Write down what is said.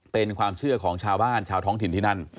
เป็นความเชื่อของชาวบ้านชาวท้องถิ่นที่นั่น